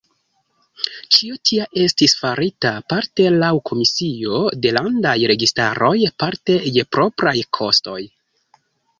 Ĉio tia estis farita parte laŭ komisio de landaj registaroj parte je propraj kostoj.